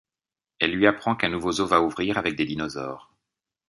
Elle lui apprend qu'un nouveau zoo va ouvrir avec des dinosaures.